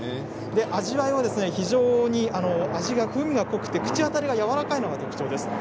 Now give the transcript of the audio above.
味わいは非常に風味が濃くて口当たりがやわらかいのが特徴です。